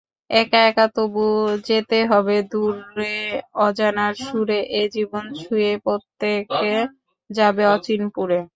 একা একা তবু যেতে হবে দূরে অজানার সুরে—এ জীবন ছুঁয়ে প্রত্যেকে যাবে অচিনপুরে।